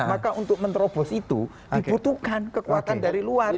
maka untuk menerobos itu dibutuhkan kekuatan dari luar